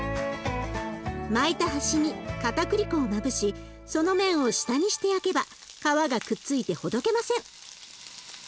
巻いた端にかたくり粉をまぶしその面を下にして焼けば皮がくっついてほどけません。